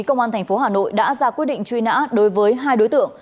công an tp hcm đã ra quyết định truy nã đối với hai đối tượng